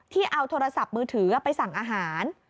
เอาโทรศัพท์มือถือไปสั่งอาหาร